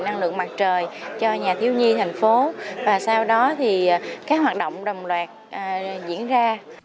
năng lượng mặt trời cho nhà thiếu nhi tp hcm và sau đó các hoạt động đồng loạt diễn ra